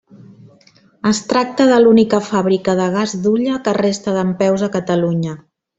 Es tracta de l'única fàbrica de gas d'hulla que resta dempeus a Catalunya.